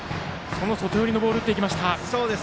外寄りのボールを打っていきました。